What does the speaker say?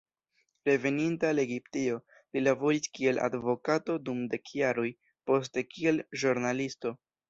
Reveninta al Egiptio, li laboris kiel advokato dum dek jaroj, poste kiel ĵurnalisto.